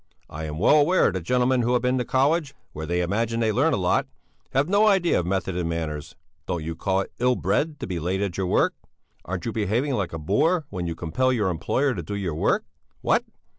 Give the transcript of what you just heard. I am well aware that gentlemen who have been to college, where they imagine they learn a lot, have no idea of method and manners. Don't you call it ill bred to be late at your work? Aren't you behaving like a boor when you compel your employer to do your work? What?